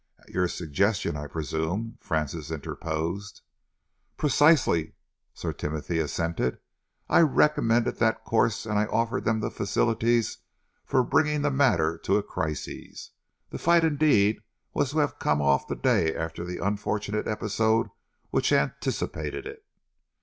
"At your suggestion, I presume?" Francis interposed. "Precisely," Sir Timothy assented. "I recommended that course, and I offered them facilities for bringing the matter to a crisis. The fight, indeed, was to have come off the day after the unfortunate episode which anticipâtéd it."